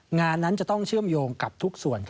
งานนั้นจะต้องเชื่อมโยงกับทุกส่วน